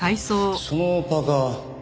そのパーカ。